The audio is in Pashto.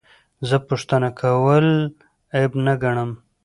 زه پوښتنه کول عیب نه ګڼم.